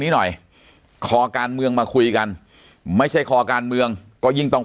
นี้หน่อยคอการเมืองมาคุยกันไม่ใช่คอการเมืองก็ยิ่งต้อง